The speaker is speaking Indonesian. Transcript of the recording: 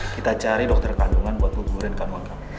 kita cari dokter kandungan buat hubungin kandungan kamu